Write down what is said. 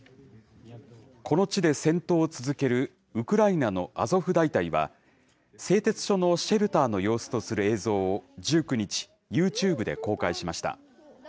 この地で戦闘を続けるウクライナのアゾフ大隊は、製鉄所のシェルターの様子とする映像を１９日、ユーチューブで公開しました。